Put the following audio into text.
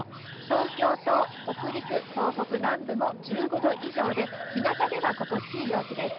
東京と北陸、東北南部も１５度以上で日向では心地いい陽気です。